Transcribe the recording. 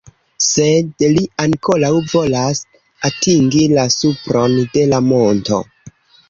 Sed li ankoraŭ volas atingi la supron de la monto.